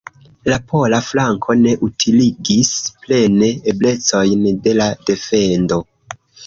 La pola flanko ne utiligis plene eblecojn de la defendo.